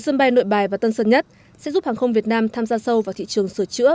sân bay nội bài và tân sơn nhất sẽ giúp hàng không việt nam tham gia sâu vào thị trường sửa chữa